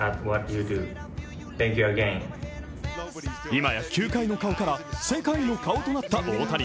今や球界の顔から世界の顔となった大谷。